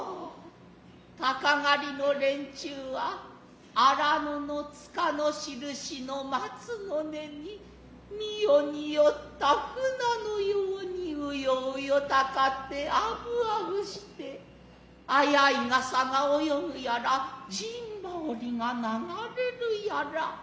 鷹狩の連中は曠野の塚の印の松の根に澪に寄つた鮒のやうにうようよ集つてあぶあぶしてあやゐ笠が泳ぐやら陣羽織が流れるやら。